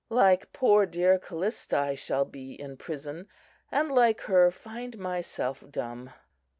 Like poor dear Callista, I shall be in prison, and, like her, find myself dumb!...